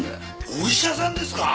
お医者さんですか？